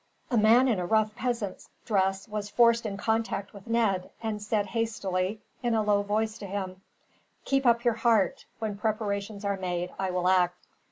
A man in a rough peasant's dress was forced in contact with Ned, and said hastily, in a low voice to him: "Keep up your heart. When preparations are made, I will act."